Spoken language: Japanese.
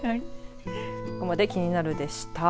ここまで、キニナル！でした。